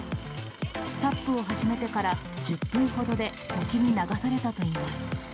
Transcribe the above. サップを始めてから１０分ほどで沖に流されたといいます。